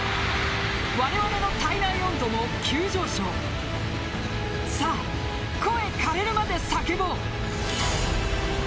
われわれの体内温度も急上昇さあ、声枯れるまで叫ぼう。